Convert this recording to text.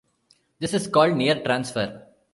This is called near transfer.